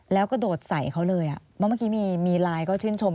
แล้วก็โดดใส่เขาเลยบางทีมีไลน์ก็ชื่นชม